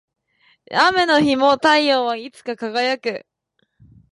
雨の日も太陽はいつか輝く